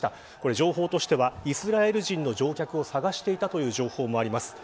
情報としてはイスラエル人の乗客を探していたという情報もあります。